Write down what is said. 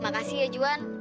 makasih ya juan